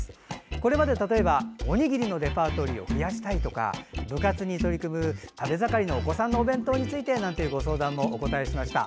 これまで、例えばおにぎりのレパートリーを増やしたいとか部活に取り組む食べ盛りのお子さんのお弁当についてなんていう相談にもお答えいたしました。